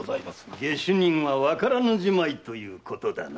下手人はわからぬじまいということだな？